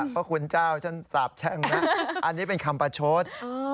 พระคุณเจ้าฉันสาบแช่งนะอันนี้เป็นคำประชด